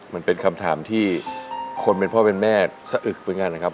มันเป็นคำถามที่คนเป็นพ่อเป็นแม่สะอึกเหมือนกันนะครับ